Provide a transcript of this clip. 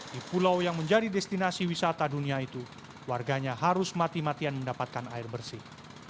di pulau yang menjadi destinasi wisata dunia itu warganya harus mati matian mendapatkan air bersih